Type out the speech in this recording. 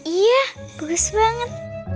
iya bagus banget